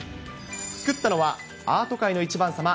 作ったのは、アート界の１番さま。